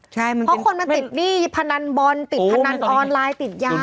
ใช่มันเป็นเพราะคนมันติดนี่พนันบอลติดพนันออนไลน์ติดยา